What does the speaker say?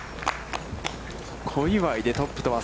小祝で、トップとは